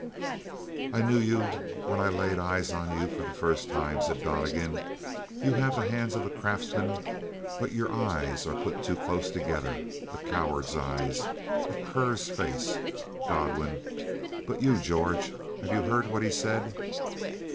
"I knew you when I laid eyes on you for the first time," said Donnegan. "You have the hands of a craftsman, but your eyes are put too close together. A coward's eyes a cur's face, Godwin. But you, George have you heard what he said?"